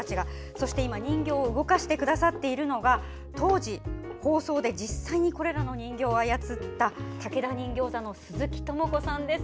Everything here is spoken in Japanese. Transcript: そして今、人形を動かしてくださっているのが当時、放送で実際にこれらの人形を操った竹田人形座の鈴木友子さんです。